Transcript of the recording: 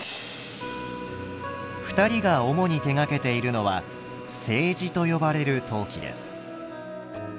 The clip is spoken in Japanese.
２人が主に手がけているのは青磁と呼ばれる陶器です。